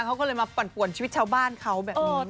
เขาก็เลยมาปั่นป่วนชีวิตชาวบ้านเขาแบบนี้